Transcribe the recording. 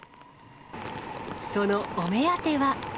そのお目当ては。